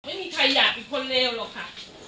ไม่มีใครอยากเป็นคนเลวหรอกค่ะ